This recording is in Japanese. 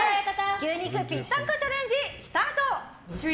牛肉ぴったんこチャレンジスタート！